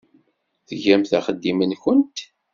Tgamt axeddim-nwent.